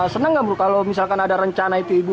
senang gak bro kalau misalkan ada rencana itu